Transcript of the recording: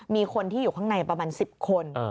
มีคนที่อยู่ข้างในประมาณ๑๐คน